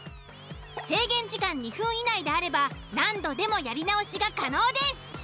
制限時間２分以内であれば何度でもやり直しが可能です。